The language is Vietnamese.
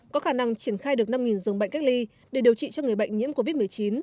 có khả năng triển khai được năm dường bệnh cách ly để điều trị cho người bệnh nhiễm covid một mươi chín